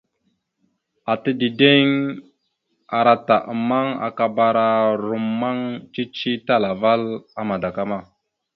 Ata dideŋ ara ata ammaŋ akabara rommaŋ cici talaval a madakama.